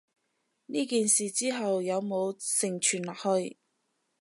呢件事之後有無承傳落去？